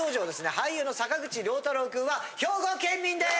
俳優の坂口涼太郎くんは兵庫県民です！